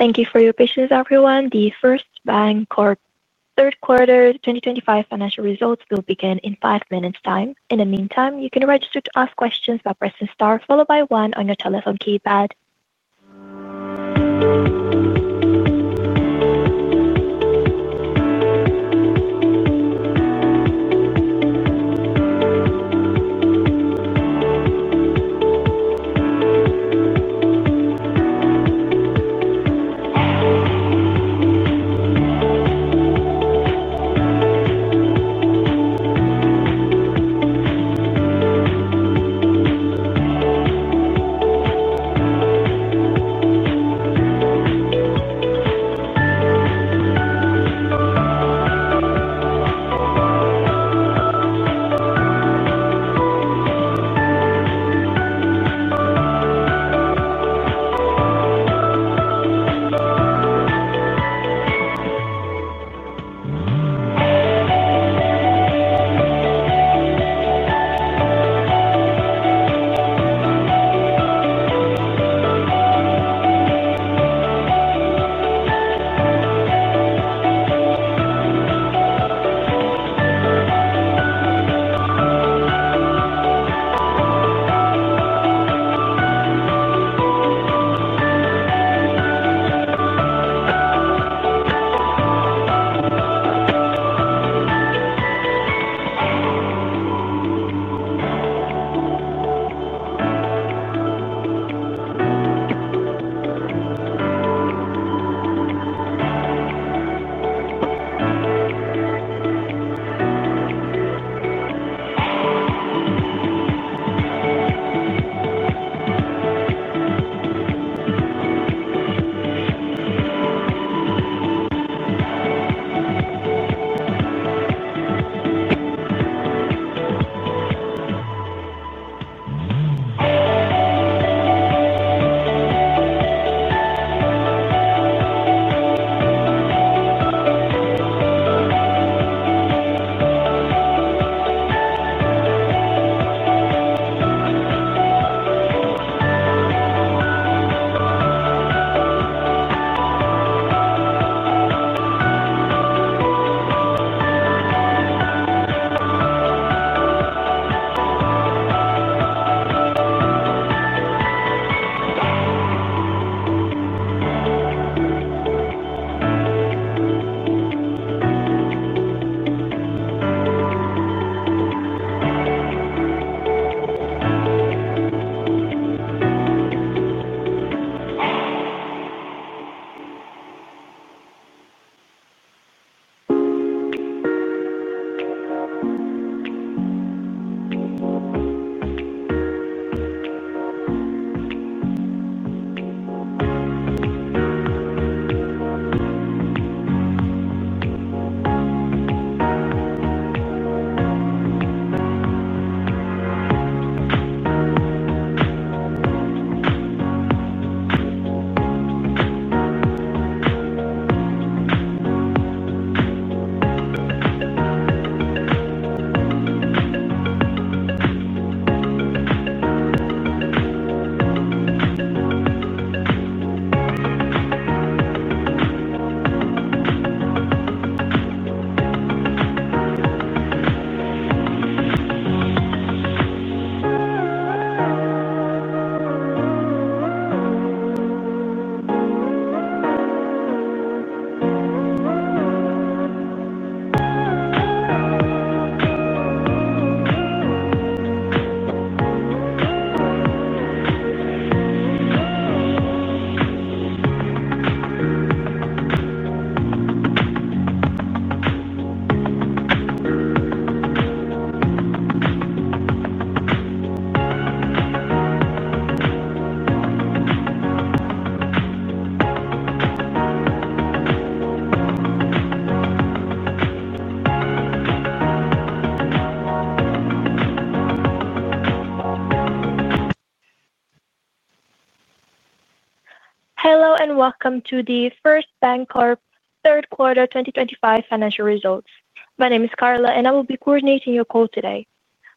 Thank you for your patience, everyone. The First BanCorp third quarter 2025 financial results will begin in five minutes' time. In the meantime, you can register to ask questions by pressing the star followed by one on your telephone keypad. Hello and welcome to the First BanCorp third quarter 2025 financial results. My name is Carla, and I will be coordinating your call today.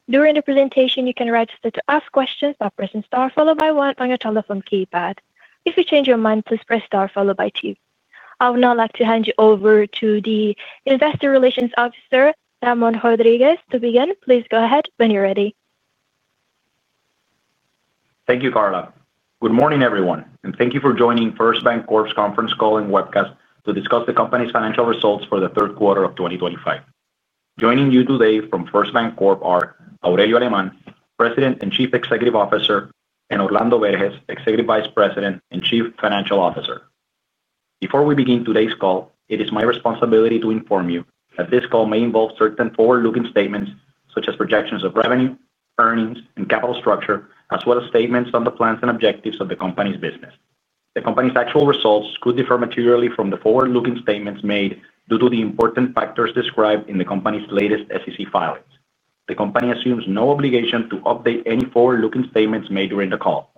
During the presentation, you can register to ask questions by pressing the star followed by one on your telephone keypad. If you change your mind, please press star followed by two. I would now like to hand you over to the Investor Relations Officer, Ramon Rodríguez, to begin. Please go ahead when you're ready.. Thank you, Carla. Good morning, everyone, and thank you for joining First BanCorp's conference call and webcast to discuss the company's financial results for the third quarter of 2025. Joining you today from First BanCorp are Aurelio Alemán, President and Chief Executive Officer, and Orlando Berges-González, Executive Vice President and Chief Financial Officer. Before we begin today's call, it is my responsibility to inform you that this call may involve certain forward-looking statements, such as projections of revenue, earnings, and capital structure, as well as statements on the plans and objectives of the company's business. The company's actual results could differ materially from the forward-looking statements made due to the important factors described in the company's latest SEC filings. The company assumes no obligation to update any forward-looking statements made during the call.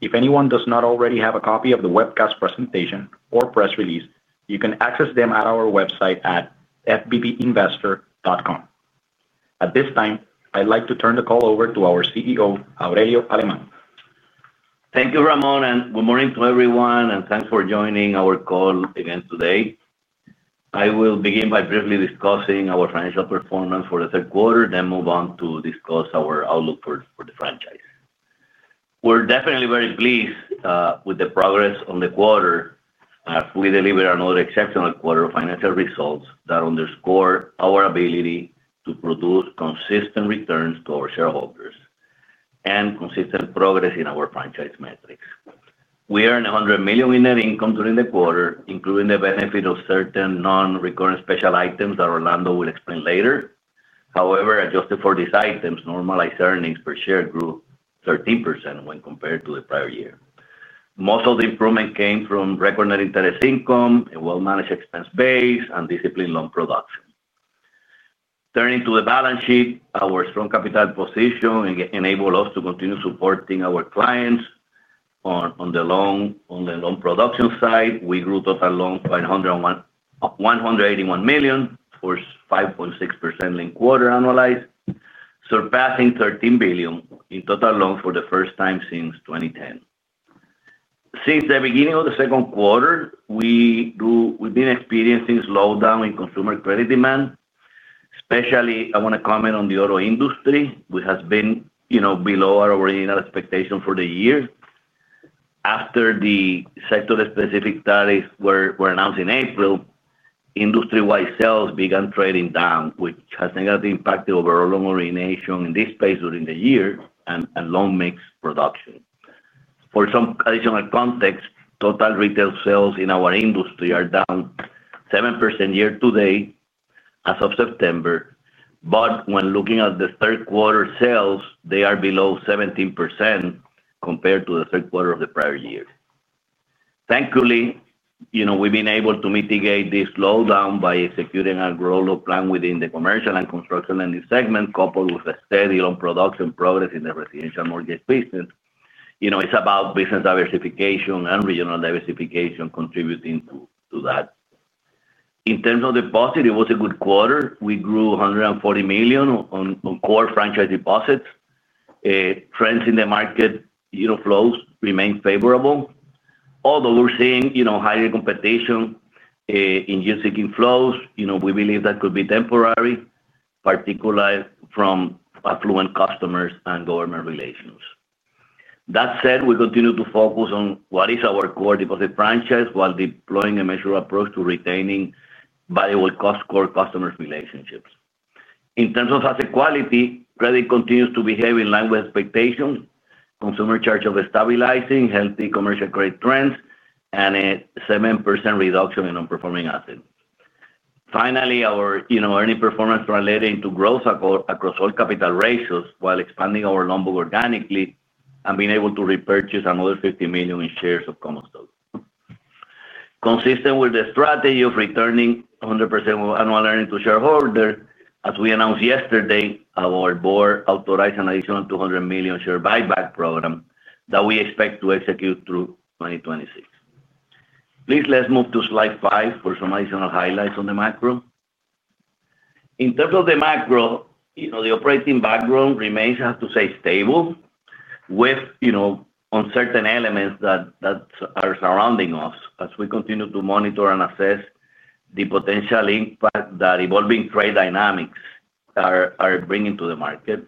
If anyone does not already have a copy of the webcast presentation or press release, you can access them at our website at fbbinvestor.com. At this time, I'd like to turn the call over to our CEO, Aurelio Alemán. Thank you, Ramon, and good morning to everyone, and thanks for joining our call again today. I will begin by briefly discussing our financial performance for the third quarter, then move on to discuss our outlook for the franchise. We're definitely very pleased with the progress on the quarter as we delivered another exceptional quarter of financial results that underscore our ability to produce consistent returns to our shareholders and consistent progress in our franchise metrics. We earned $100 million in net income during the quarter, including the benefit of certain non-recurring special items that Orlando will explain later. However, adjusted for these items, normalized earnings per share grew 13% when compared to the prior year. Most of the improvement came from record net interest income, a well-managed expense base, and disciplined loan production. Turning to the balance sheet, our strong capital position enabled us to continue supporting our clients on the loan production side. We grew total loans by $181 million for 5.6% linked quarter annualized, surpassing $13 billion in total loans for the first time since 2010. Since the beginning of the second quarter, we've been experiencing slowdown in consumer credit demand. Especially, I want to comment on the auto industry, which has been below our original expectation for the year. After the sector-specific studies were announced in April, industry-wide sales began trading down, which has negatively impacted overall loan origination in this space during the year and loan mix production. For some additional context, total retail sales in our industry are down 7% year to date as of September. When looking at the third quarter sales, they are below 17% compared to the third quarter of the prior year. Thankfully, we've been able to mitigate this slowdown by executing our growth plan within the commercial and construction lending segment, coupled with a steady loan production progress in the residential mortgage business. It's about business diversification and regional diversification contributing to that. In terms of deposit, it was a good quarter. We grew $140 million on core franchise deposits. Trends in the market flows remain favorable. Although we're seeing higher competition in new seeking flows, we believe that could be temporary, particularly from affluent customers and government relations. That said, we continue to focus on what is our core deposit franchise while deploying a measured approach to retaining valuable core customer relationships. In terms of asset quality, credit continues to behave in line with expectations, consumer charge-offs stabilizing, healthy commercial credit trends, and a 7% reduction in non-performing assets. Finally, our earning performance translated into growth across all capital ratios while expanding our loan book organically and being able to repurchase another $50 million in shares of common stock. Consistent with the strategy of returning 100% of annual earnings to shareholders, as we announced yesterday, our board authorized an additional $200 million share buyback program that we expect to execute through 2026. Please, let's move to slide five for some additional highlights on the macro. In terms of the macro, the operating background remains, I have to say, stable with uncertain elements that are surrounding us as we continue to monitor and assess the potential impact that evolving trade dynamics are bringing to the market.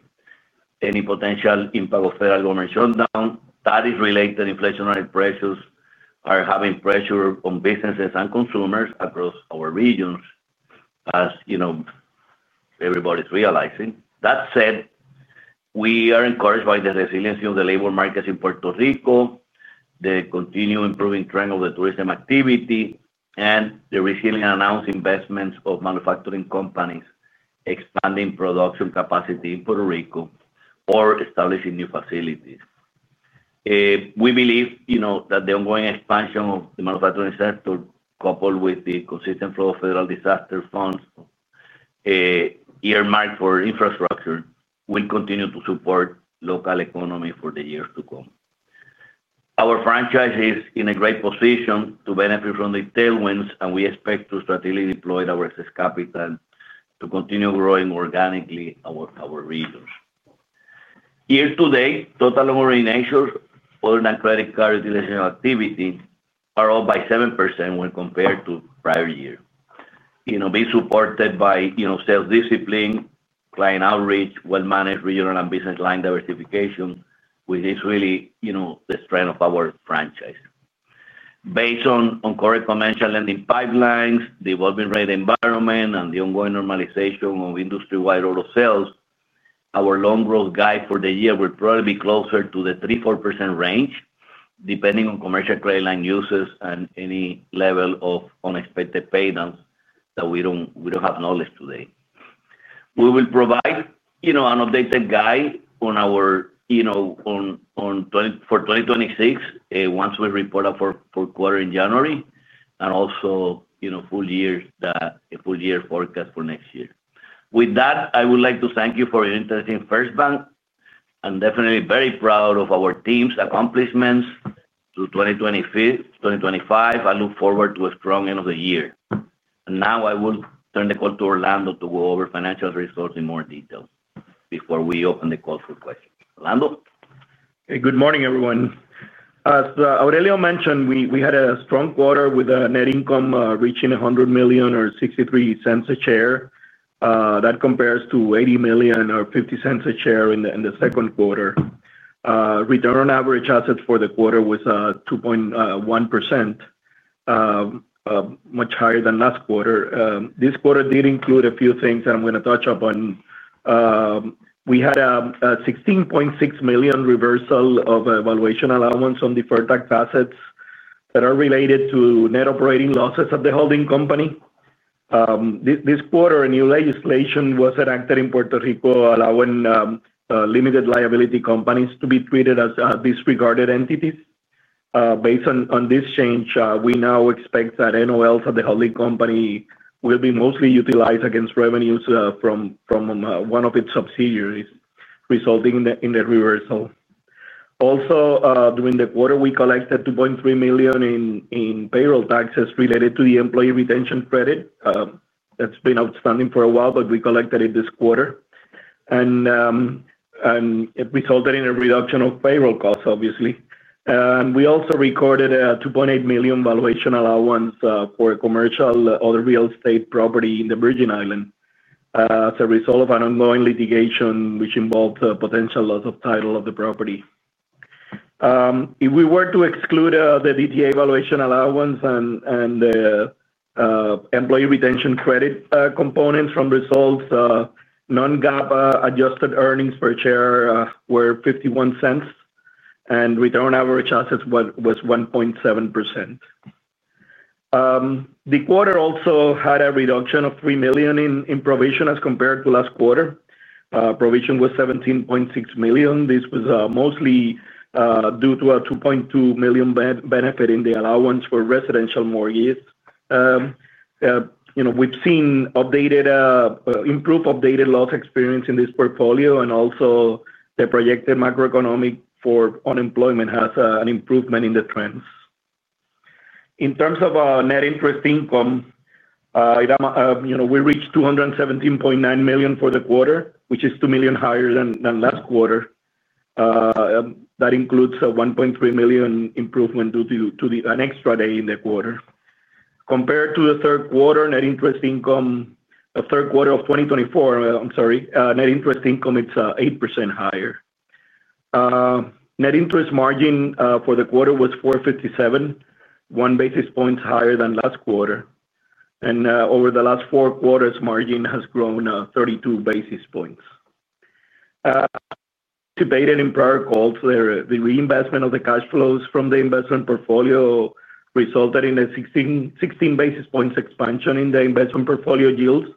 Any potential impact of federal government shutdown that is related to inflationary pressures are having pressure on businesses and consumers across our regions, as you know everybody's realizing. That said, we are encouraged by the resiliency of the labor markets in Puerto Rico, the continued improving trend of the tourism activity, and the recently announced investments of manufacturing companies expanding production capacity in Puerto Rico or establishing new facilities. We believe that the ongoing expansion of the manufacturing sector, coupled with the consistent flow of federal disaster funds earmarked for infrastructure, will continue to support local economies for the years to come. Our franchise is in a great position to benefit from the tailwinds, and we expect to strategically deploy our excess capital to continue growing organically our regions. Year to date, total loan originations, auto and credit card utilization activity are up by 7% when compared to prior year. Being supported by self-discipline, client outreach, well-managed regional and business line diversification, which is really the strength of our franchise. Based on current financial lending pipelines, the evolving rate environment, and the ongoing normalization of industry-wide auto sales, our loan growth guide for the year will probably be closer to the 3%-4% range, depending on commercial credit line usage and any level of unexpected payments that we don't have knowledge today. We will provide an updated guide for 2026 once we report our fourth quarter in January and also full year forecast for next year. With that, I would like to thank you for your interest in First BanCorp. I'm definitely very proud of our team's accomplishments through 2025. I look forward to a strong end of the year. I will turn the call to Orlando to go over financial results in more detail before we open the call for questions. Orlando? Hey, good morning, everyone. As Aurelio Alemán mentioned, we had a strong quarter with net income reaching $100 million or $0.63 a share. That compares to $80 million or $0.50 a share in the second quarter. Return on average assets for the quarter was 2.1%, much higher than last quarter. This quarter did include a few things that I'm going to touch upon. We had a $16.6 million reversal of valuation allowance on deferred tax assets that are related to net operating losses of the holding company. This quarter, new legislation was enacted in Puerto Rico, allowing limited liability companies to be treated as disregarded entities. Based on this change, we now expect that NOLs of the holding company will be mostly utilized against revenues from one of its subsidiaries, resulting in the reversal. Also, during the quarter, we collected $2.3 million in payroll taxes related to the employee retention credit. That's been outstanding for a while, but we collected it this quarter, and it resulted in a reduction of payroll costs, obviously. We also recorded a $2.8 million valuation allowance for a commercial auto real estate property in the Virgin Islands as a result of ongoing litigation which involved a potential loss of title of the property. If we were to exclude the DTA valuation allowance and the employee retention credit components from results, non-GAAP adjusted earnings per share were $0.51, and return on average assets was 1.7%. The quarter also had a reduction of $3 million in provision as compared to last quarter. Provision was $17.6 million. This was mostly due to a $2.2 million benefit in the allowance for residential mortgages. We've seen improved updated loss experience in this portfolio, and also the projected macroeconomic for unemployment has an improvement in the trends. In terms of net interest income, we reached $217.9 million for the quarter, which is $2 million higher than last quarter. That includes a $1.3 million improvement due to an extra day in the quarter. Compared to the third quarter, net interest income, third quarter of 2024, I'm sorry, net interest income, it's 8% higher. Net interest margin for the quarter was 4.57%, one basis point higher than last quarter. Over the last four quarters, margin has grown 32 basis points. As debated in prior calls, the reinvestment of the cash flows from the investment portfolio resulted in a 16 basis points expansion in the investment portfolio yields.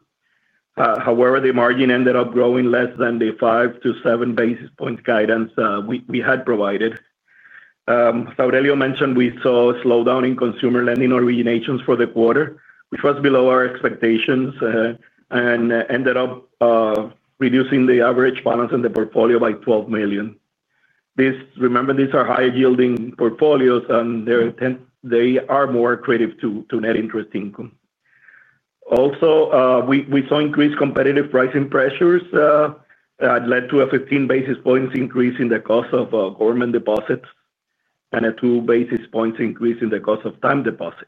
However, the margin ended up growing less than the 5-7 basis points guidance we had provided. As Aurelio Alemán mentioned, we saw a slowdown in consumer lending originations for the quarter, which was below our expectations and ended up reducing the average balance in the portfolio by $12 million. Remember, these are high-yielding portfolios, and they are more accretive to net interest income. Also, we saw increased competitive pricing pressures that led to a 15 basis points increase in the cost of government deposits and a 2 basis points increase in the cost of time deposits.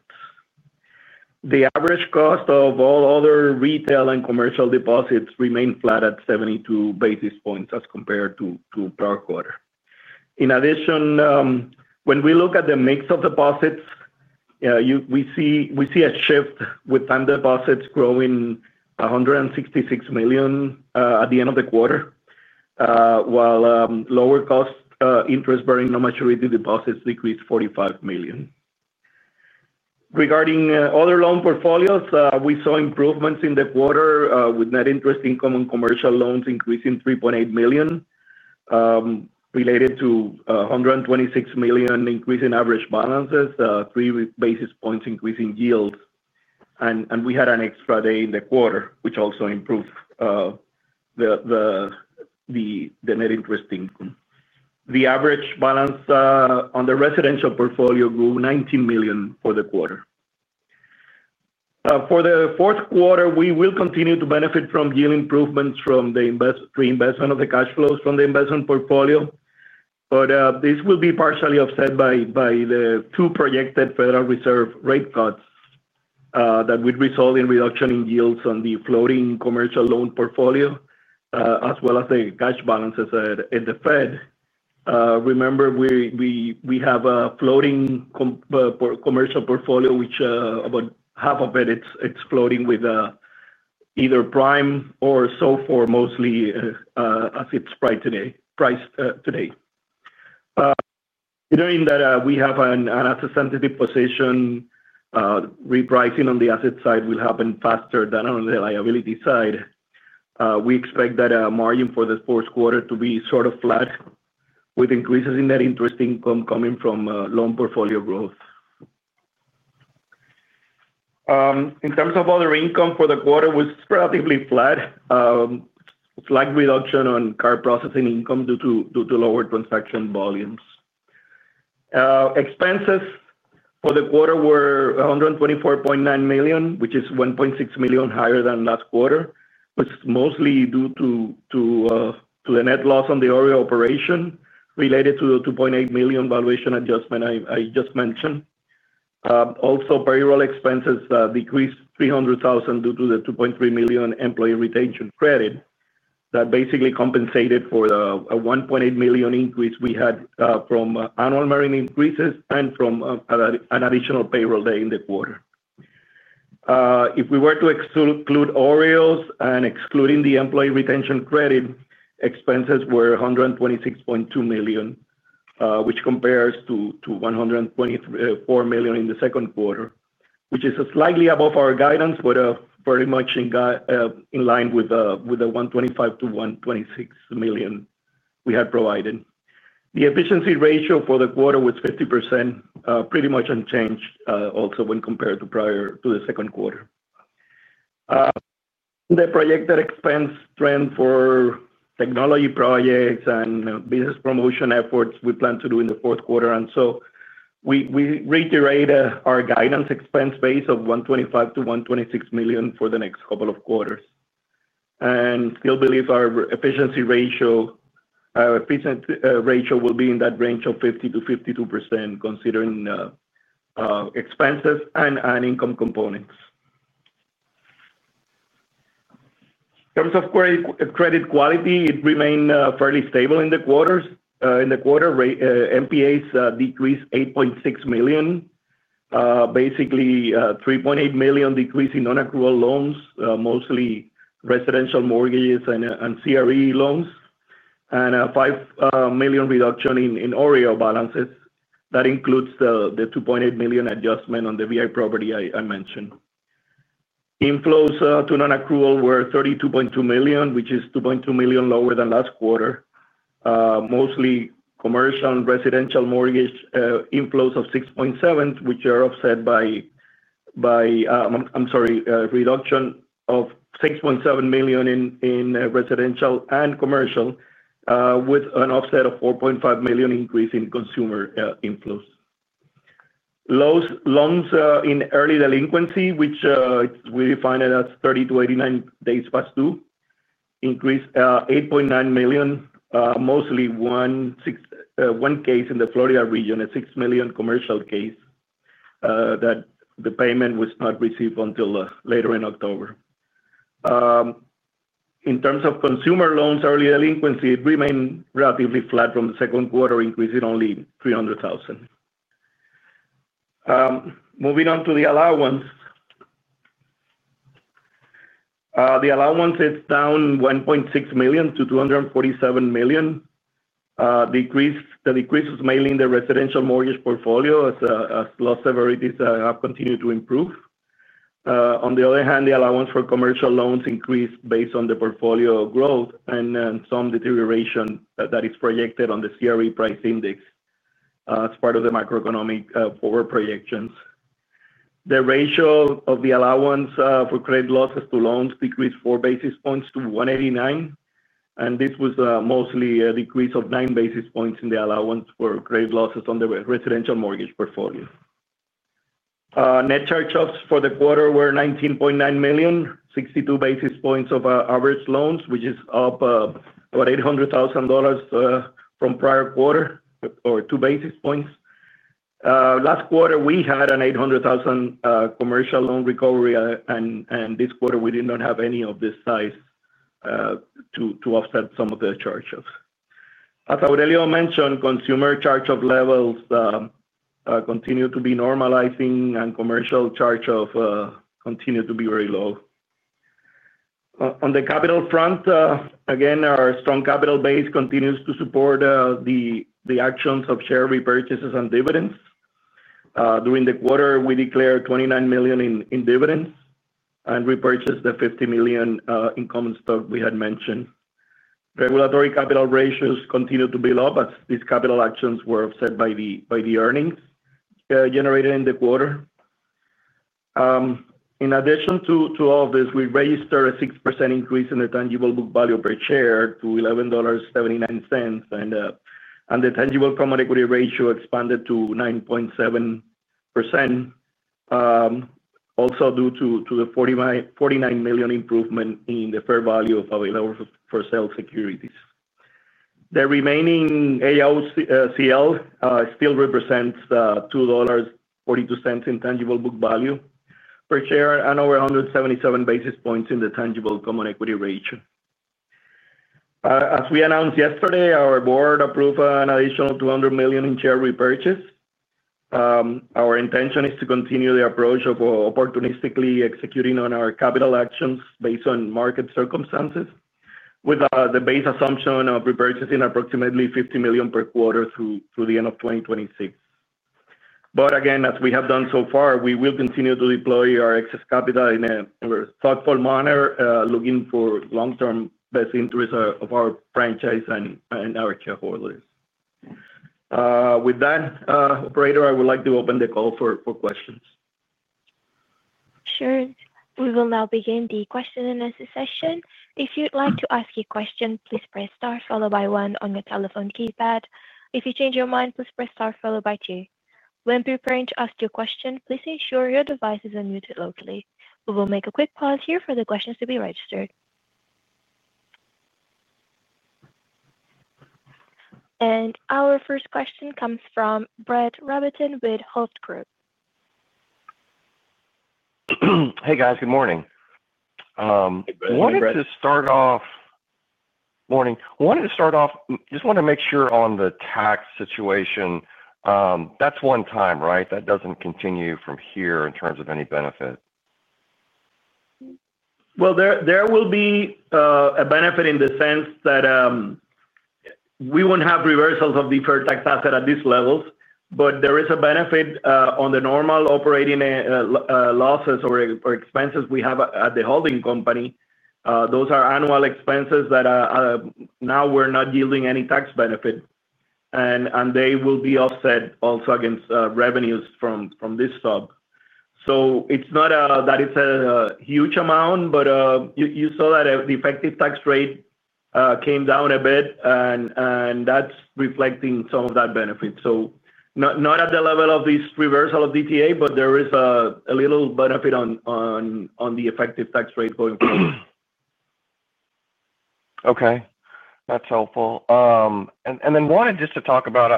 The average cost of all other retail and commercial deposits remained flat at 72 basis points as compared to the prior quarter. In addition, when we look at the mix of deposits, we see a shift with time deposits growing $166 million at the end of the quarter, while lower cost interest-bearing non-maturity deposits decreased $45 million. Regarding other loan portfolios, we saw improvements in the quarter with net interest income on commercial loans increasing $3.8 million, related to a $126 million increase in average balances, 3 basis points increase in yields. We had an extra day in the quarter, which also improved the net interest income. The average balance on the residential portfolio grew $19 million for the quarter. For the fourth quarter, we will continue to benefit from yield improvements from the reinvestment of the cash flows from the investment portfolio, but this will be partially offset by the two projected Federal Reserve rate cuts that would result in a reduction in yields on the floating commercial loan portfolio, as well as the cash balances at the Fed. Remember, we have a floating commercial portfolio, which about half of it, it's floating with either prime or SOFR mostly as it's priced today. Considering that we have an asset-sensitive position, repricing on the asset side will happen faster than on the liability side. We expect that margin for this fourth quarter to be sort of flat, with increases in net interest income coming from loan portfolio growth. In terms of other income for the quarter, it was relatively flat. Slight reduction on card processing income due to lower transaction volumes. Expenses for the quarter were $124.9 million, which is $1.6 million higher than last quarter, which is mostly due to the net loss on the auto operation related to the $2.8 million valuation adjustment I just mentioned. Also, payroll expenses decreased $300,000 due to the $2.3 million employee retention credit that basically compensated for the $1.8 million increase we had from annual margin increases and from an additional payroll day in the quarter. If we were to exclude aerials and excluding the employee retention credit, expenses were $126.2 million, which compares to $124 million in the second quarter, which is slightly above our guidance, but very much in line with the $125 million-$126 million we had provided. The efficiency ratio for the quarter was 50%, pretty much unchanged also when compared to prior to the second quarter. The projected expense trend for technology projects and business promotion efforts, we plan to do in the fourth quarter. We reiterated our guidance expense base of $125-$126 million for the next couple of quarters and still believe our efficiency ratio will be in that range of 50%-52%, considering expenses and income components. In terms of asset quality, it remained fairly stable in the quarter. In the quarter, non-performing assets decreased $8.6 million, basically $3.8 million decrease in non-accrual loans, mostly residential mortgages and CRE loans, and a $5 million reduction in aerial balances. That includes the $2.8 million adjustment on the VI property I mentioned. Inflows to non-accrual were $32.2 million, which is $2.2 million lower than last quarter, mostly commercial and residential mortgage inflows of $6.7 million, which are offset by a reduction of $6.7 million in residential and commercial, with an offset of $4.5 million increase in consumer inflows. Loans in early delinquency, which we define as 30-89 days past due, increased $8.9 million, mostly one case in the Florida region, a $6 million commercial case that the payment was not received until later in October. In terms of consumer loans, early delinquency remained relatively flat from the second quarter, increasing only $300,000. Moving on to the allowance, the allowance is down $1.6 million to $247 million. The decrease was mainly in the residential mortgage portfolio as loss severities have continued to improve. On the other hand, the allowance for commercial loans increased based on the portfolio growth and some deterioration that is projected on the CRE price index as part of the macroeconomic forward projections. The ratio of the allowance for credit losses to loans decreased 4 basis points to 1.89%, and this was mostly a decrease of 9 basis points in the allowance for credit losses on the residential mortgage portfolio. Net charge-offs for the quarter were $19.9 million, 0.62% of average loans, which is up about $800,000 from prior quarter or 2 basis points. Last quarter, we had an $800,000 commercial loan recovery, and this quarter, we did not have any of this size to offset some of the charge-offs. As Aurelio Alemán mentioned, consumer charge-off levels continue to be normalizing and commercial charge-offs continue to be very low. On the capital front, again, our strong capital base continues to support the actions of share repurchases and dividends. During the quarter, we declared $29 million in dividends and repurchased the $50 million in common stock we had mentioned. Regulatory capital ratios continue to be low, but these capital actions were offset by the earnings generated in the quarter. In addition to all of this, we registered a 6% increase in the tangible book value per share to $11.79, and the tangible common equity ratio expanded to 9.7%, also due to the $49 million improvement in the fair value of available for sale securities. The remaining allowance for credit losses still represents $2.42 in tangible book value per share and over 1.77% in the tangible common equity ratio. As we announced yesterday, our board approved an additional $200 million in share repurchase. Our intention is to continue the approach of opportunistically executing on our capital actions based on market circumstances, with the base assumption of repurchasing approximately $50 million per quarter through the end of 2026. As we have done so far, we will continue to deploy our excess capital in a thoughtful manner, looking for long-term best interests of our franchise and our shareholders. With that, operator, I would like to open the call for questions. Sure. We will now begin the question-and-answer session. If you'd like to ask a question, please press star followed by one on your telephone keypad. If you change your mind, please press star followed by two. When preparing to ask your question, please ensure your device is unmuted locally. We will make a quick pause here for the questions to be registered. Our first question comes from Brett Rabatin with Hovde Group. Hey, guys. Good morning. Hey, Brett, good morning. I wanted to start off, just want to make sure. On the tax situation, that's one time, right? That doesn't continue from here in terms of any benefit? There will be a benefit in the sense that we won't have reversals of deferred tax assets at these levels, but there is a benefit on the normal operating losses or expenses we have at the holding company. Those are annual expenses that now we're not yielding any tax benefit, and they will be offset also against revenues from this stock. It's not that it's a huge amount, but you saw that the effective tax rate came down a bit, and that's reflecting some of that benefit. Not at the level of this reversal of DTA, but there is a little benefit on the effective tax rate going forward. Okay. That's helpful. I wanted just to talk about,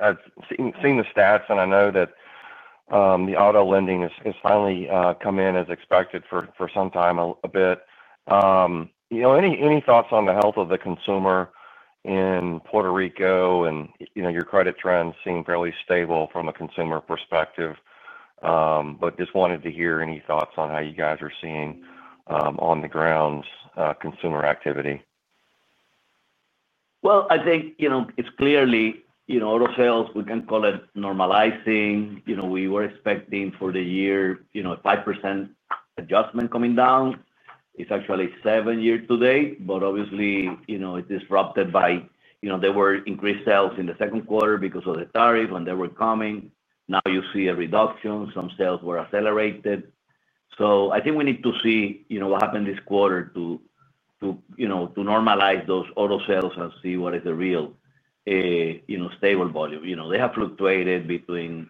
I've seen the stats, and I know that the auto lending has finally come in as expected for some time a bit. You know, any thoughts on the health of the consumer in Puerto Rico? You know your credit trends seem fairly stable from a consumer perspective, but just wanted to hear any thoughts on how you guys are seeing, on the ground, consumer activity. I think it's clearly auto sales, we can call it normalizing. We were expecting for the year a 5% adjustment coming down. It's actually 7% year to date, but obviously it's disrupted by increased sales in the second quarter because of the tariff, and they were coming. Now you see a reduction. Some sales were accelerated. I think we need to see what happened this quarter to normalize those auto sales and see what is the real stable volume. They have fluctuated between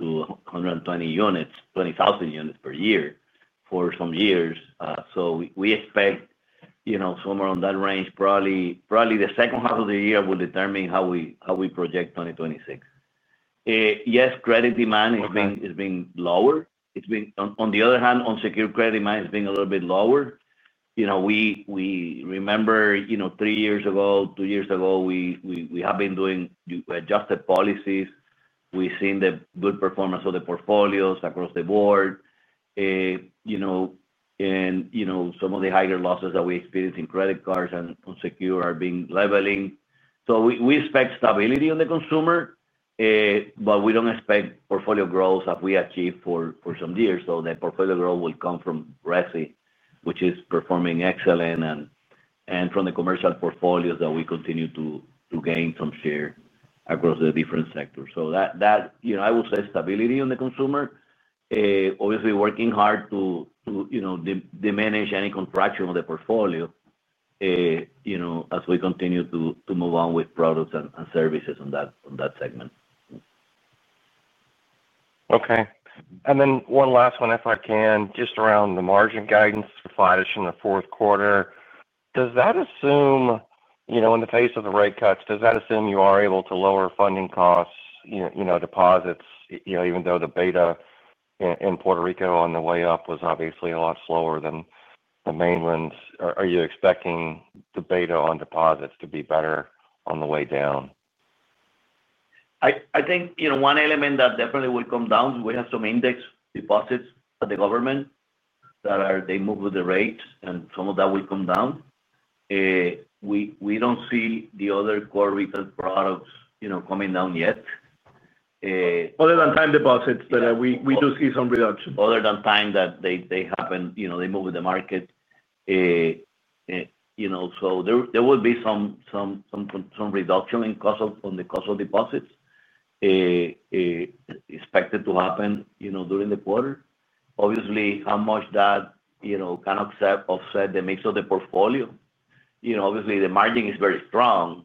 100,000-120,000 units per year for some years. We expect somewhere in that range. Probably the second half of the year will determine how we project 2026. Yes, credit demand has been lower. On the other hand, unsecured credit demand has been a little bit lower. We remember three years ago, two years ago, we have been doing adjusted policies. We've seen the good performance of the portfolios across the board, and some of the higher losses that we experienced in credit cards and unsecured are being leveling. We expect stability on the consumer, but we don't expect portfolio growth as we achieved for some years. The portfolio growth will come from residential mortgage loans, which is performing excellent, and from the commercial portfolios that we continue to gain some share across the different sectors. I would say stability on the consumer, obviously working hard to diminish any contraction of the portfolio as we continue to move on with products and services on that segment. Okay. One last one, if I can, just around the margin guidance for flatish in the fourth quarter. Does that assume, you know, in the face of the rate cuts, does that assume you are able to lower funding costs, you know, deposits, even though the beta in Puerto Rico on the way up was obviously a lot slower than the mainland's? Are you expecting the beta on deposits to be better on the way down? I think, you know, one element that definitely will come down, we have some index deposits at the government that are, they move with the rates, and some of that will come down. We don't see the other core retail products, you know, coming down yet. Other than time deposits, we do see some reduction. Other than time that they happen, you know, they move with the market. There will be some reduction in cost of deposits, expected to happen during the quarter. Obviously, how much that can offset the mix of the portfolio, you know, obviously, the margin is very strong.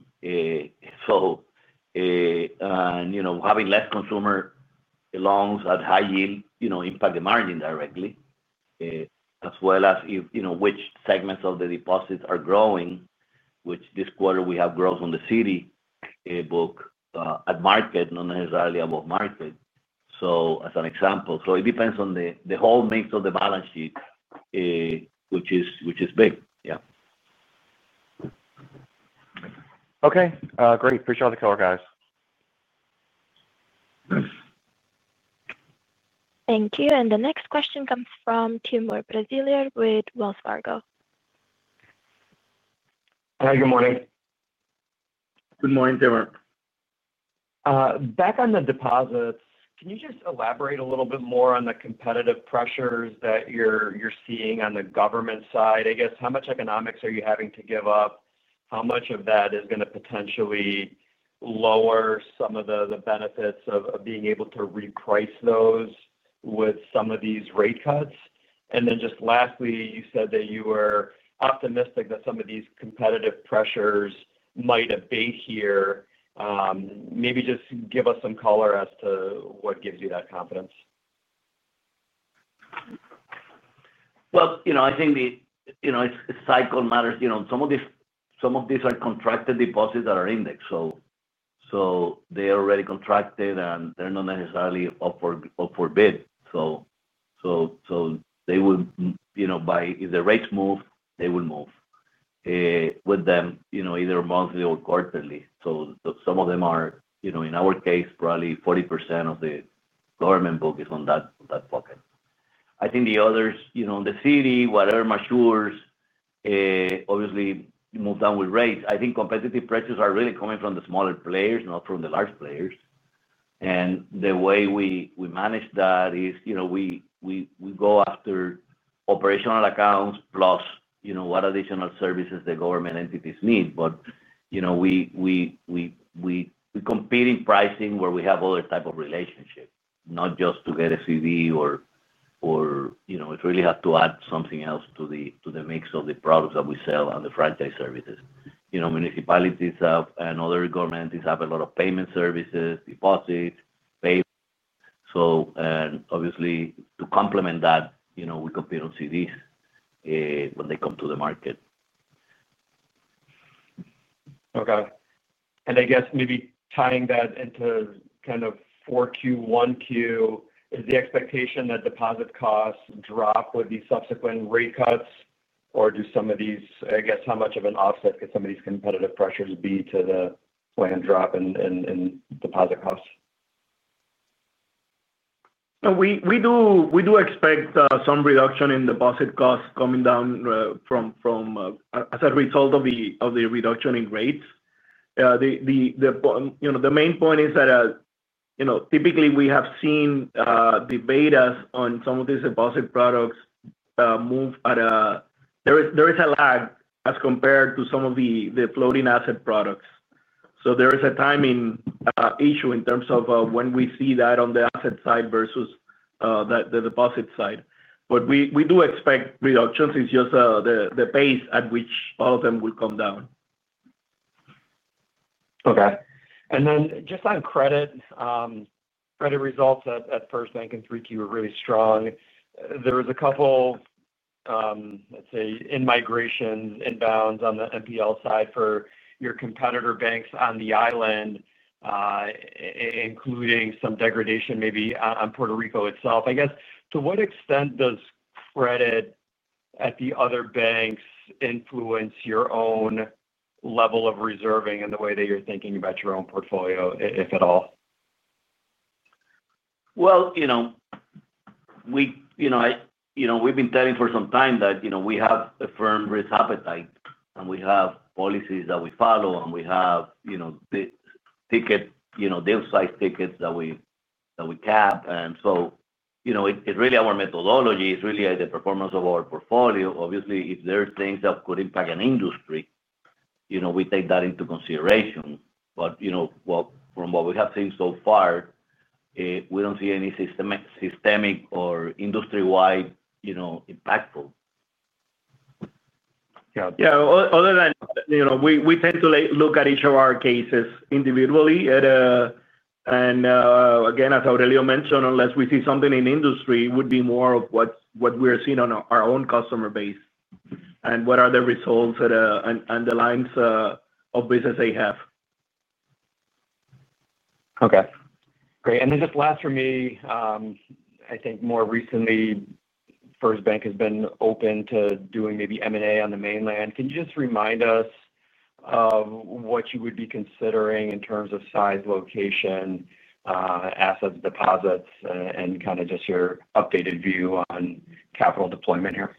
Having less consumer loans at high yield impacts the margin directly, as well as if, you know, which segments of the deposits are growing, which this quarter we have growth on the city book at market, not necessarily above market, as an example. It depends on the whole mix of the balance sheet, which is big. Yeah. Okay, great. Appreciate all the color, guys. Thank you. The next question comes from Timur Braziler with Wells Fargo. Hi, good morning. Good morning, Timur. Back on the deposits, can you just elaborate a little bit more on the competitive pressures that you're seeing on the government side? I guess, how much economics are you having to give up? How much of that is going to potentially lower some of the benefits of being able to reprice those with some of these rate cuts? Lastly, you said that you were optimistic that some of these competitive pressures might abate here. Maybe just give us some color as to what gives you that confidence. I think it's cycle matters. Some of these are contracted deposits that are indexed, so they are already contracted, and they're not necessarily up for bid. They would, if the rates move, move with them, either monthly or quarterly. Some of them are, in our case, probably 40% of the government book is in that bucket. I think the others, on the CD, whatever matures, obviously, you move down with rates. I think competitive pressures are really coming from the smaller players, not from the large players. The way we manage that is we go after operational accounts plus what additional services the government entities need. We compete in pricing where we have other types of relationships, not just to get a CD. It really has to add something else to the mix of the products that we sell and the franchise services. Municipalities and other government have a lot of payment services, deposits, payments. To complement that, we compete on CDs when they come to the market. Okay. I guess maybe tying that into kind of 4Q, 1Q, is the expectation that deposit costs drop with these subsequent rate cuts, or do some of these, I guess, how much of an offset could some of these competitive pressures be to the planned drop in deposit costs? We do expect some reduction in deposit costs coming down as a result of the reduction in rates. The main point is that, you know, typically, we have seen the betas on some of these deposit products move at a lag as compared to some of the floating asset products. There is a timing issue in terms of when we see that on the asset side versus the deposit side. We do expect reductions. It's just the pace at which all of them will come down. Okay. Just on credit, credit results at First BanCorp in 3Q are really strong. There was a couple, let's say, in-migration inbounds on the MPL side for your competitor banks on the island, including some degradation maybe on Puerto Rico itself. I guess, to what extent does credit at the other banks influence your own level of reserving in the way that you're thinking about your own portfolio, if at all? We have been telling for some time that we have a firm risk appetite, and we have policies that we follow, and we have the deal-size tickets that we cap. It's really our methodology. It's really the performance of our portfolio. Obviously, if there are things that could impact an industry, we take that into consideration. From what we have seen so far, we don't see any systemic or industry-wide impactful. Yeah. Other than, you know, we tend to look at each of our cases individually. As Aurelio Alemán mentioned, unless we see something in industry, it would be more of what we're seeing on our own customer base and what are the results and the lines of business they have. Okay. Great. Just last for me, I think more recently, First BanCorp has been open to doing maybe M&A on the mainland. Can you just remind us of what you would be considering in terms of size, location, assets, deposits, and kind of just your updated view on capital deployment here?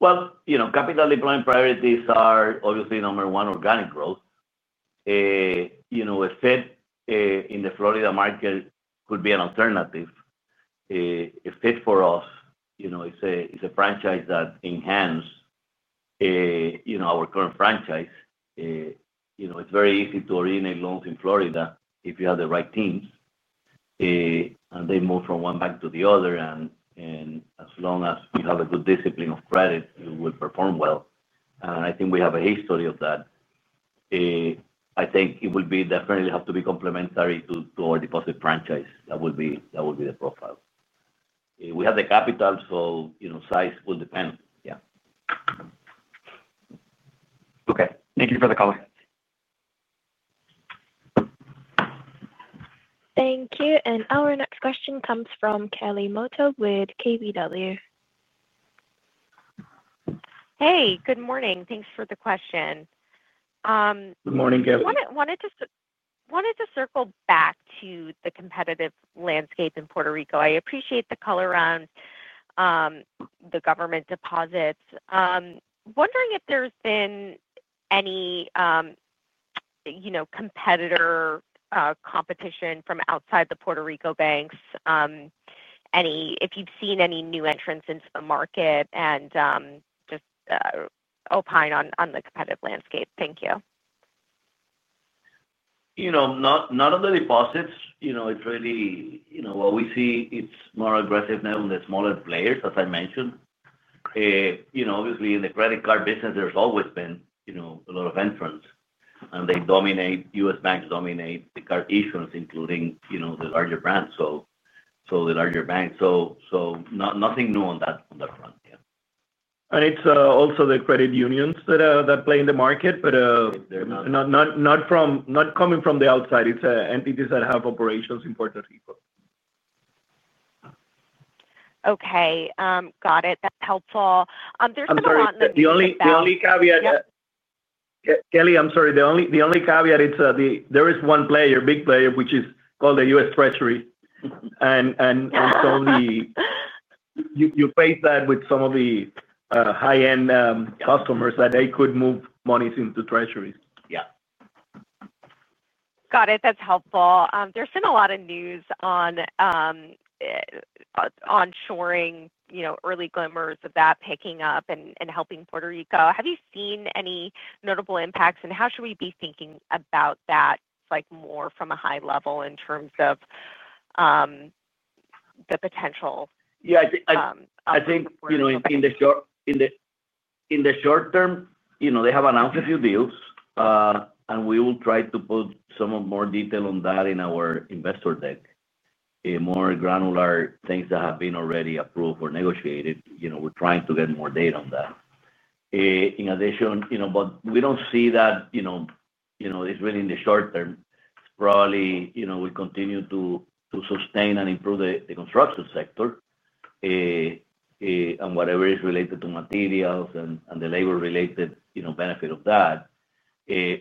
Capital deployment priorities are obviously number one. Organic growth. A fit in the Florida market could be an alternative. A fit for us is a franchise that enhances our current franchise. It's very easy to originate loans in Florida if you have the right teams, and they move from one bank to the other. As long as you have a good discipline of credit, you will perform well. I think we have a history of that. It will definitely have to be complementary to our deposit franchise. That will be the profile. We have the capital, so size will depend. Okay, thank you for the call. Thank you. Our next question comes from Kelly Motta with KBW. Hey, good morning. Thanks for the question. Good morning, Kevin. I wanted to circle back to the competitive landscape in Puerto Rico. I appreciate the color around the government deposits. I'm wondering if there's been any competitor competition from outside the Puerto Rico banks, if you've seen any new entrants into the market, and just opine on the competitive landscape. Thank you. Not on the deposits. It's really what we see, it's more aggressive now on the smaller players, as I mentioned. Obviously, in the credit card business, there's always been a lot of entrants, and they dominate. U.S. banks dominate the card issuance, including the larger brands, the larger banks. Nothing new on that front. It's also the credit unions that play in the market, but they're not coming from the outside. It's entities that have operations in Puerto Rico. Okay, got it. That's helpful. There's not. I'm sorry. The only caveat, Kelly, I'm sorry. The only caveat is that there is one player, big player, which is called the U.S. Treasury. You face that with some of the high-end customers, that they could move monies into treasuries. Yeah. Got it. That's helpful. There's been a lot of news on onshoring, you know, early glimmers of that picking up and helping Puerto Rico. Have you seen any notable impacts? How should we be thinking about that, more from a high level in terms of the potential? Yeah. I think, in the short term, they have announced a few deals, and we will try to put some more detail on that in our investor deck. More granular things that have been already approved or negotiated. We're trying to get more data on that. In addition, we don't see that it's really in the short term. It's probably, we continue to sustain and improve the construction sector, and whatever is related to materials and the labor-related benefit of that,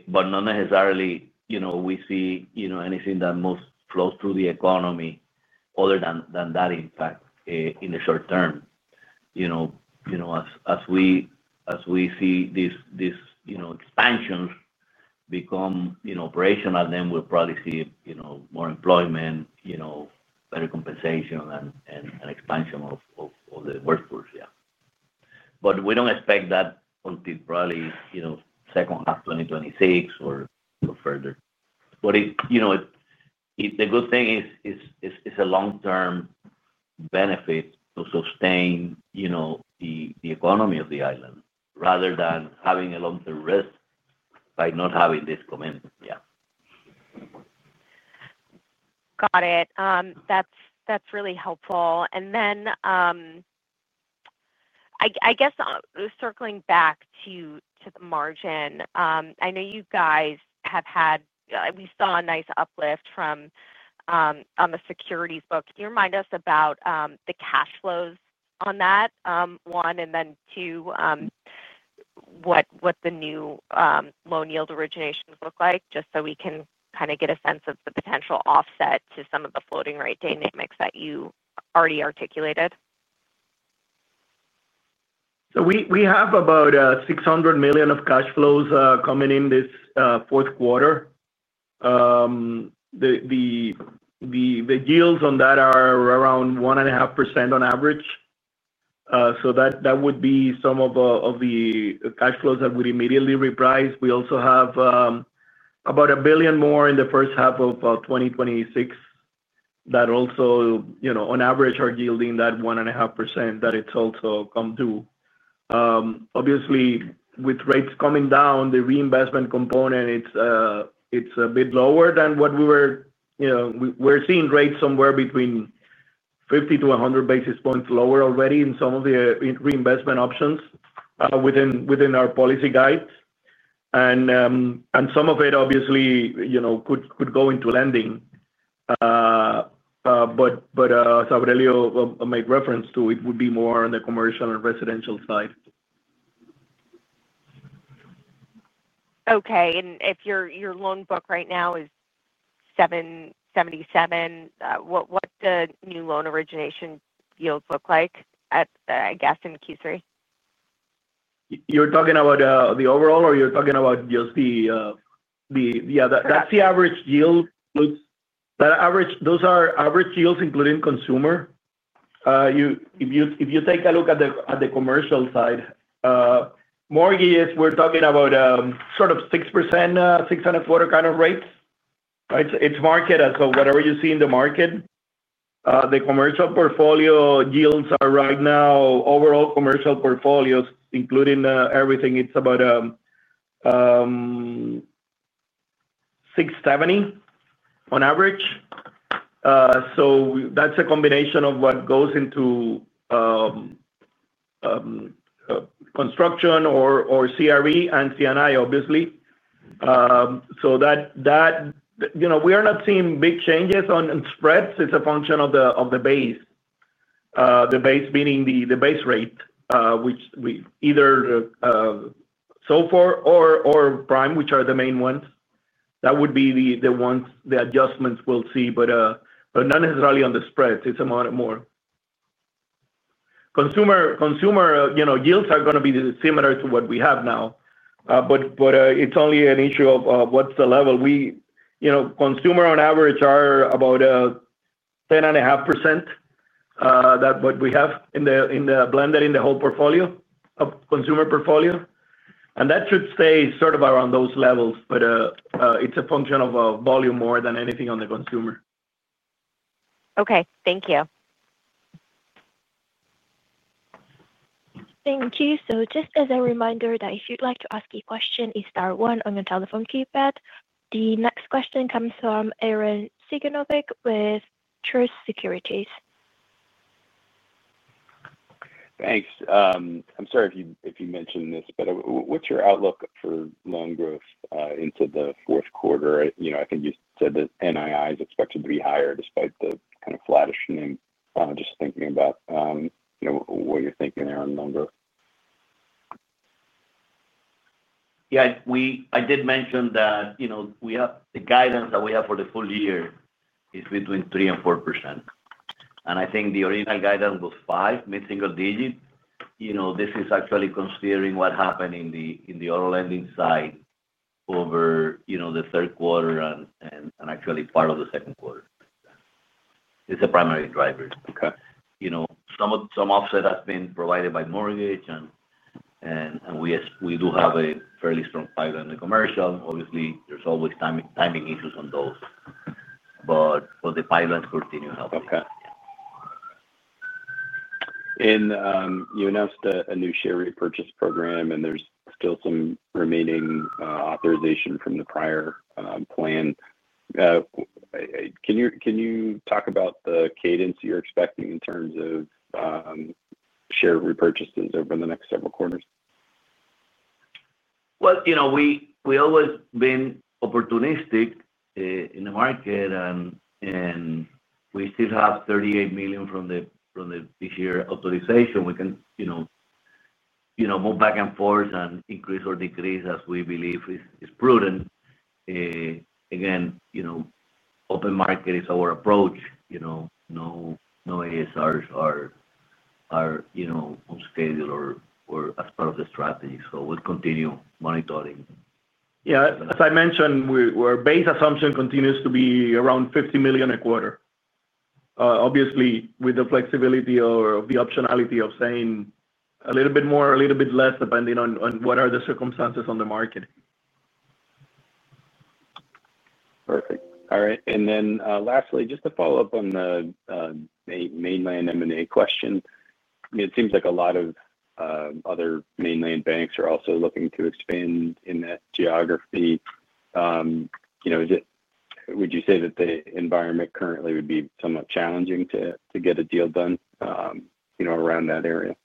but not necessarily we see anything that must flow through the economy other than that impact in the short term. As we see these expansions become operational, then we'll probably see more employment, better compensation, and expansion of the workforce. We don't expect that until probably second half 2026 or further. The good thing is it's a long-term benefit to sustain the economy of the island rather than having a long-term risk by not having this commitment. Yeah. Got it. That's really helpful. I guess circling back to the margin, I know you guys have had, we saw a nice uplift from, on the securities book. Can you remind us about the cash flows on that, one, and then two, what the new loan yield originations look like just so we can kind of get a sense of the potential offset to some of the floating rate dynamics that you already articulated? We have about $600 million of cash flows coming in this fourth quarter. The yields on that are around 1.5% on average. That would be some of the cash flows that would immediately reprice. We also have about $1 billion more in the first half of 2026 that also, you know, on average are yielding that 1.5% that also come due. Obviously, with rates coming down, the reinvestment component is a bit lower than what we were, you know, we're seeing rates somewhere between 50-100 basis points lower already in some of the reinvestment options within our policy guides. Some of it, obviously, could go into lending, but as Aurelio Alemán made reference to, it would be more on the commercial and residential side. If your loan book right now is $777 million, what does new loan origination yields look like, I guess, in Q3? You're talking about the overall or you're talking about just the other, that's the average yield? That average, those are average yields including consumer. If you take a look at the commercial side, mortgages, we're talking about sort of 6%, 6.25% kind of rates. Right? It's market. Whatever you see in the market, the commercial portfolio yields are right now, overall commercial portfolios, including everything, it's about 6.70% on average. That's a combination of what goes into construction or CRE and CNI, obviously. We are not seeing big changes on spreads. It's a function of the base. The base meaning the base rate, which we either, so far or prime, which are the main ones. That would be the ones the adjustments we'll see, but not necessarily on the spreads. It's more. Consumer yields are going to be similar to what we have now. It's only an issue of what's the level. Consumer on average are about 10.5%, that's what we have in the blended, in the whole portfolio of consumer portfolio. That should stay sort of around those levels, but it's a function of volume more than anything on the consumer. Okay, thank you. Thank you. Just as a reminder, if you'd like to ask a question, you press star one on your telephone keypad. The next question comes from Arren Cyganovic with Truist Securities. Thanks. I'm sorry if you mentioned this, but what's your outlook for loan growth into the fourth quarter? I think you said that NII is expected to be higher despite the kind of flatish NIM. Just thinking about what you're thinking there on loan growth. Yeah. I did mention that, you know, we have the guidance that we have for the full year is between 3% and 4%. I think the original guidance was 5%, mid-single digit. You know, this is actually considering what happened in the auto lending side over the third quarter and actually part of the second quarter. It's a primary driver. You know, some offset has been provided by mortgage, and we do have a fairly strong pipeline in the commercial. Obviously, there's always timing issues on those, but the pipelines continue healthy. Okay. You announced a new share repurchase program, and there's still some remaining authorization from the prior plan. Can you talk about the cadence you're expecting in terms of share repurchases over the next several quarters? You know, we always been opportunistic in the market, and we still have $38 million from this year authorization. We can move back and forth and increase or decrease as we believe is prudent. Again, open market is our approach. No ASRs are on schedule or as part of the strategy. We'll continue monitoring. As I mentioned, our base assumption continues to be around $50 million a quarter, obviously with the flexibility or the optionality of saying a little bit more, a little bit less, depending on what are the circumstances on the market. Perfect. All right. Lastly, just to follow up on the mainland M&A question, it seems like a lot of other mainland banks are also looking to expand in that geography. Would you say that the environment currently would be somewhat challenging to get a deal done around that area?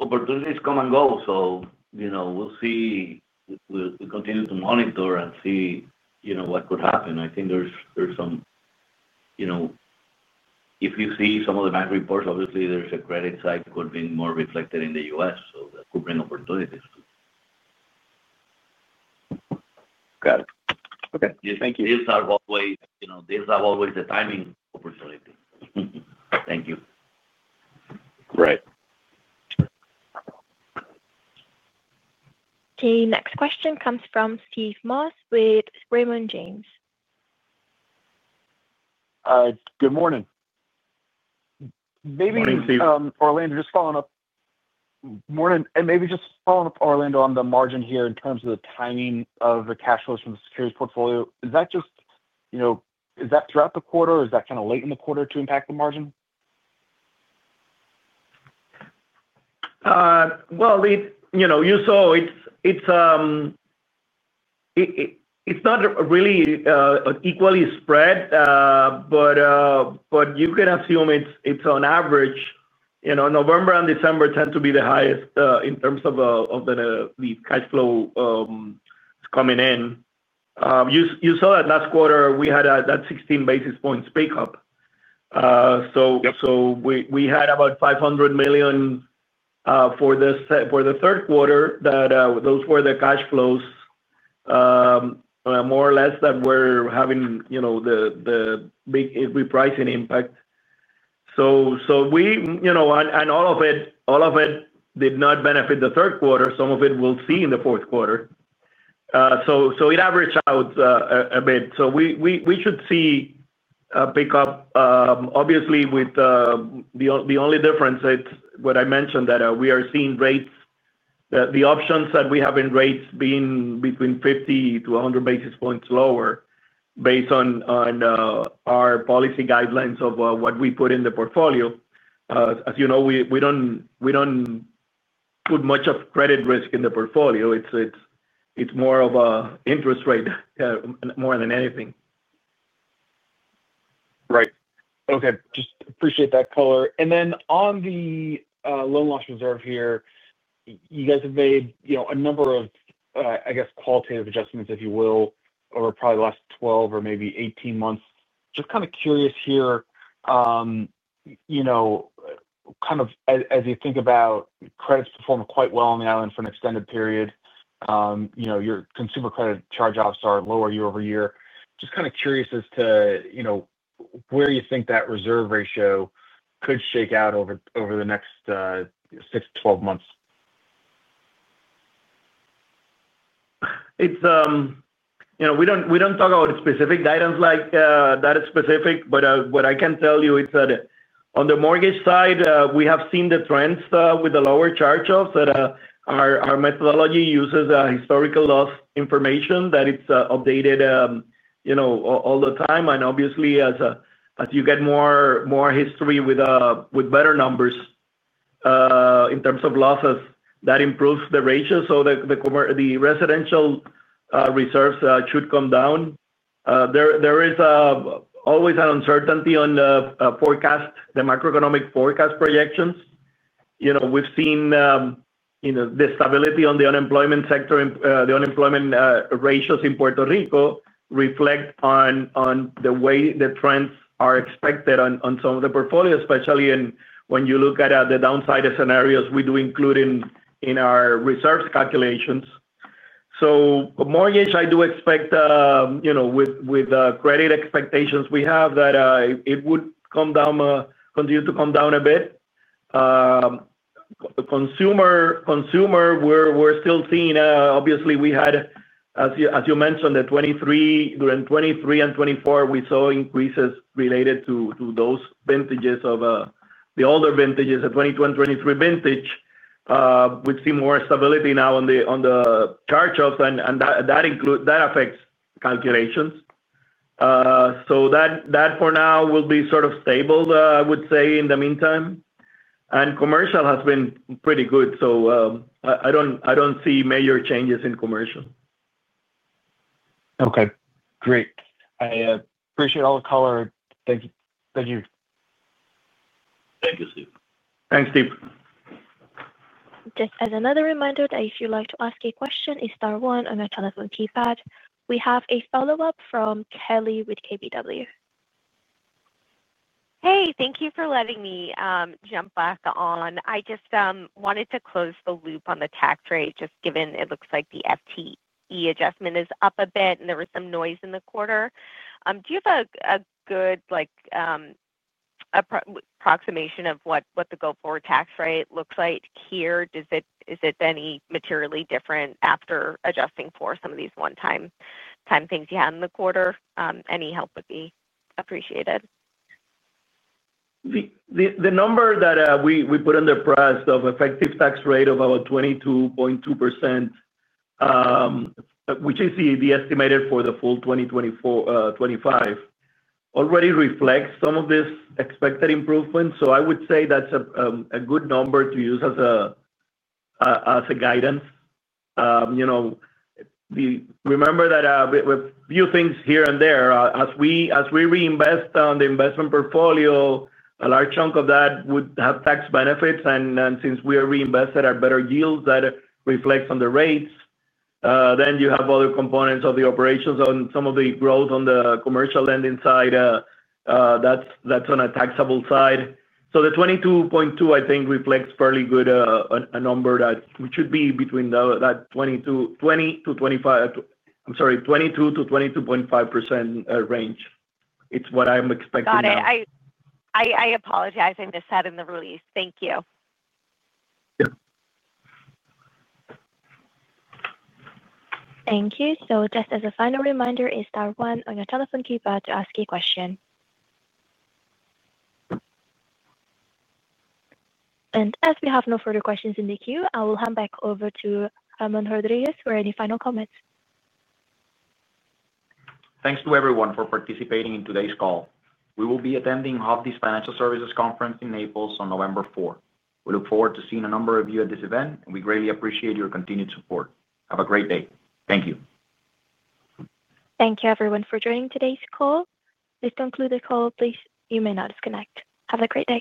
Opportunities come and go. We'll see. We'll continue to monitor and see what could happen. I think if you see some of the bank reports, obviously, there's a credit cycle being more reflected in the U.S. That could bring opportunities. Got it. Okay. Thank you. Deals are always, you know, deals have always the timing opportunity. Thank you. Right. The next question comes from Steve Moss with Raymond James. Good morning. Morning, Steve. Orlando, just following up. Morning. Maybe just following up, Orlando, on the margin here in terms of the timing of the cash flows from the securities portfolio. Is that throughout the quarter or is that kind of late in the quarter to impact the margin? You saw it's not really equally spread, but you can assume it's on average. November and December tend to be the highest in terms of the cash flow coming in. You saw that last quarter we had that 16 basis points pickup. We had about $500 million for the third quarter. Those were the cash flows, more or less, that were having the big repricing impact. All of it did not benefit the third quarter. Some of it we'll see in the fourth quarter. It averaged out a bit. We should see a pickup, obviously, with the only difference being what I mentioned, that we are seeing rates, the options that we have in rates being between 50-100 basis points lower based on our policy guidelines of what we put in the portfolio. As you know, we don't put much of credit risk in the portfolio. It's more of an interest rate, yeah, more than anything. Right. Okay. Appreciate that color. On the loan loss reserve here, you guys have made a number of qualitative adjustments over probably the last 12 or maybe 18 months. Curious, as you think about credits performing quite well on the island for an extended period, your consumer credit charge-offs are lower year-over-year. Curious as to where you think that reserve ratio could shake out over the next 6-12 months. We don't talk about specific guidance like that is specific, but what I can tell you is that on the mortgage side, we have seen the trends with the lower charge-offs that our methodology uses historical loss information that is updated all the time. Obviously, as you get more history with better numbers in terms of losses, that improves the ratio. The residential reserves should come down. There is always an uncertainty on the forecast, the macroeconomic forecast projections. We've seen the stability on the unemployment sector, the unemployment ratios in Puerto Rico reflect on the way the trends are expected on some of the portfolio, especially when you look at the downside scenarios we do include in our reserves calculations. For mortgage, I do expect, with credit expectations we have, that it would come down, continue to come down a bit. Consumer, we're still seeing, obviously, we had, as you mentioned, during 2023 and 2024, we saw increases related to those vintages of the older vintages, the 2022 and 2023 vintage. We've seen more stability now on the charge-offs, and that includes, that affects calculations. For now, that will be sort of stable, I would say, in the meantime. Commercial has been pretty good. I don't see major changes in commercial. Okay. Great. I appreciate all the color. Thank you. Thank you. Thank you, Steve. Thanks. Thanks, Steve. Just as another reminder, if you'd like to ask a question, you star 1 on your telephone keypad. We have a follow-up from Kelly with KBW. Thank you for letting me jump back on. I just wanted to close the loop on the tax rate, just given it looks like the FTE adjustment is up a bit and there was some noise in the quarter. Do you have a good approximation of what the go-forward tax rate looks like here? Is it any materially different after adjusting for some of these one-time things you had in the quarter? Any help would be appreciated. The number that we put on the press of effective tax rate of about 22.2%, which is the estimated for the full 2025, already reflects some of this expected improvement. I would say that's a good number to use as a guidance. Remember that a few things here and there, as we reinvest on the investment portfolio, a large chunk of that would have tax benefits. Since we are reinvested at better yields that reflect on the rates, you have other components of the operations on some of the growth on the commercial lending side. That's on a taxable side. The 22.2%, I think, reflects fairly good, a number that we should be between that 22%-22.5% range. It's what I'm expecting now. Got it. I apologize. I missed that in the release. Thank you. Yeah. Thank you. Just as a final reminder, you start one on your telephone keypad to ask a question. As we have no further questions in the queue, I will hand back over to Ramon Rodríguez for any final comments. Thanks to everyone for participating in today's call. We will be attending Hovde Group Financial Services Conference in Naples on November 4. We look forward to seeing a number of you at this event, and we greatly appreciate your continued support. Have a great day. Thank you. Thank you, everyone, for joining today's call. Please conclude the call. You may now disconnect. Have a great day.